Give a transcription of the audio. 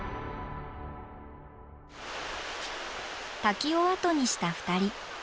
滝を後にした２人。